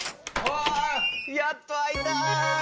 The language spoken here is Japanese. やっとあえた！